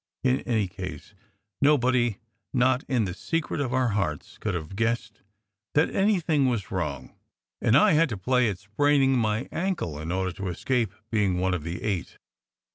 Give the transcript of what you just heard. In any case, nobody not in the secret of our hearts could have guessed that anything was wrong. And I had to play at spraining my ankle in order to escape being one of the eight.